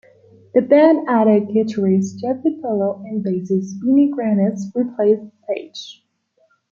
The band added guitarist Jeff Vitolo and bassist Vinnie Granese replaced Sage.